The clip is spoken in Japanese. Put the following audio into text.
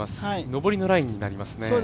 上りのラインになりますね。